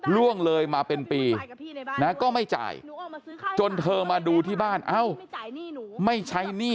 ล่วงเลยมาเป็นปีนะก็ไม่จ่ายจนเธอมาดูที่บ้านเอ้าไม่ใช้หนี้